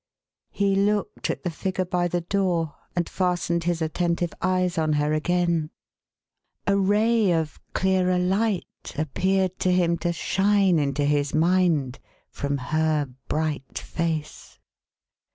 " He looked at the figure by the door, and fastened his attentive eyes on her again ; a ray of clearer light appeared to him to shine into his mind, from her bright face.